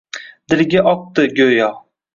Dilga oqdi, go’yo